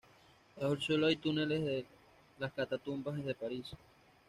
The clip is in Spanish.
Bajo el suelo hay túneles de las Catacumbas de París.